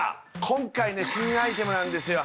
今回ね新アイテムなんですよ